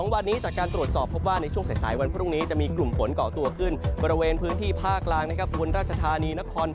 ๒วันนี้จากการตรวจสอบพบว่าในช่วงสายวันพรุ่งนี้